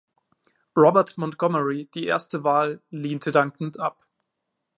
Robert Montgomery, die erste Wahl, lehnte dankend ab.